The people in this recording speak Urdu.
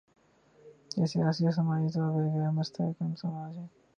یہ سیاسی اور سماجی طور پر ایک غیر مستحکم سماج ہے۔